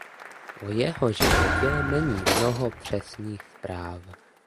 O jeho životě není mnoho přesných zpráv.